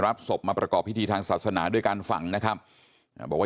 ศพมาประกอบพิธีทางศาสนาด้วยการฝังนะครับอ่าบอกว่า